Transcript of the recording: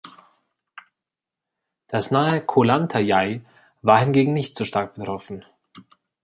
Das nahe Ko Lanta Yai war hingegen nicht so stark betroffen.